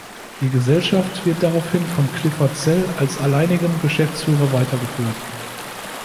Die Gesellschaft wird daraufhin von Clifford Sell als alleinigem Geschäftsführer weitergeführt.